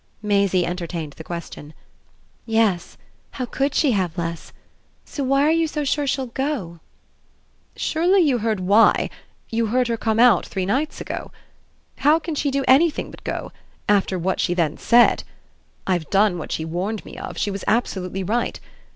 Maisie entertained the question. "Yes. How COULD she have less? So why are you so sure she'll go?" "Surely you heard why you heard her come out three nights ago? How can she do anything but go after what she then said? I've done what she warned me of she was absolutely right.